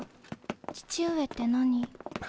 「父上」って何？